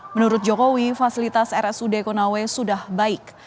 menurut jokowi fasilitas rsud konawe sudah baik